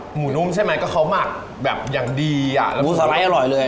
หมูนุ่มใช่ไหมก็เขาหมักแบบอย่างดีอ่ะแล้วหมูสไลด์อร่อยเลย